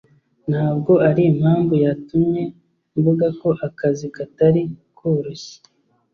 Ntabwo arimpamvu yatumye mvuga ko akazi katari koroshye